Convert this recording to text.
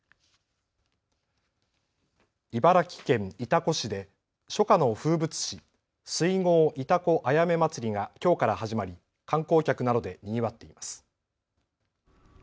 茨城県潮来市で初夏の風物詩、水郷潮来あやめまつりがきょうから始まり観光客などでにぎわっています。